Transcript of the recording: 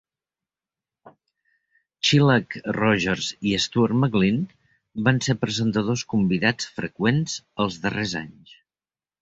Shelagh Rogers i Stuart McLean van ser presentadors convidats freqüents als darrers anys.